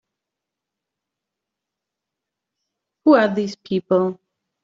Who are these people?